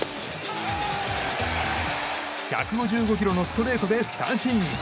１５５キロのストレートで三振。